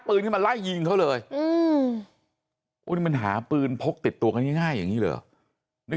ปืนมาไล่ยิงเขาเลยมันหาปืนพกติดตัวง่ายอย่างนี้หรือนึก